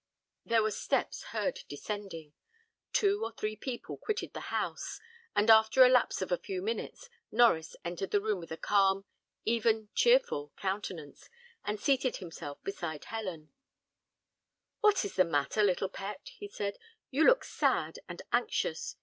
There were steps heard descending. Two or three people quitted the house, and after a lapse of a few minutes, Norries entered the room with a calm, even cheerful countenance, and seated himself beside Helen. "What is the matter, little pet?" he said. "You look sad and anxious.